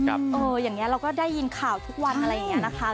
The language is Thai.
อย่างนี้เราก็ได้ยินข่าวทุกวันอะไรอย่างนี้นะคะ